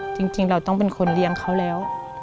จริงเราต้องเป็นคนเลี้ยงเขาแล้ว